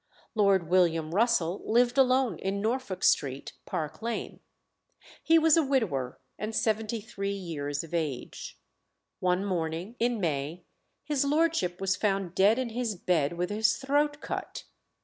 Lord William Russell lived alone in Norfolk Street, Park Lane. He was a widower, and seventy three years of age. One morning in May his lordship was found dead in his bed with his throat cut.